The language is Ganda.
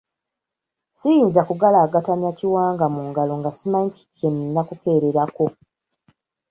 Siyinza kugalangatanya kiwanga mu ngalo nga simanyi kiki kye nnina kukeererako.